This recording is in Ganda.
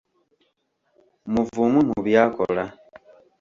Muvumu mu by’akola